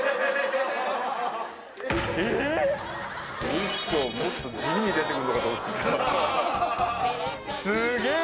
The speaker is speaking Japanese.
ウソもっと地味に出てくんのかと思ったすげえ！